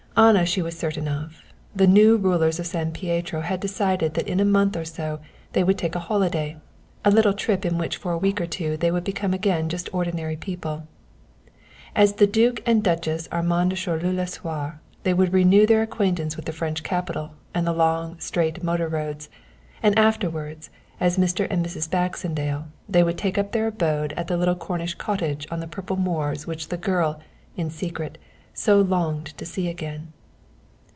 Anna she was certain of. The new rulers of San Pietro had decided that in a month or so they would take a holiday, a little trip in which for a week or two they would become again just ordinary people. As the Duke and Duchess Armand de Choleaux Lasuer they would renew their acquaintance with the French capital and the long, straight motor roads, and afterwards, as Mr. and Mrs. Baxendale, they would take up their abode at the little Cornish cottage on the purple moors which the girl, in secret, so longed to see again.